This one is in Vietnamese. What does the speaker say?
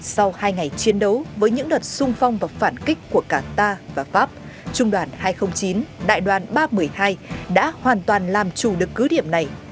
sau hai ngày chiến đấu với những đợt sung phong và phản kích của cả ta và pháp trung đoàn hai trăm linh chín đại đoàn ba trăm một mươi hai đã hoàn toàn làm trù được cứ điểm này